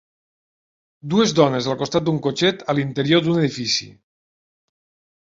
Dues dones al costat d'un cotxet a l'interior d'un edifici.